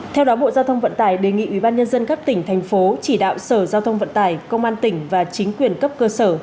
theo đó bộ giao thông vận tải đề nghị ubnd các tỉnh thành phố chỉ đạo sở giao thông vận tải công an tỉnh và chính quyền cấp cơ sở